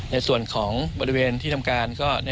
ในส่วนของบริเวณที่ทำการก็